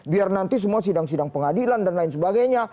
biar nanti semua sidang sidang pengadilan dan lain sebagainya